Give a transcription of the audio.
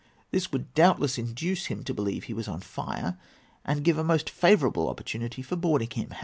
This would doubtless induce him to believe he was on fire, and give a most favourable opportunity for boarding him.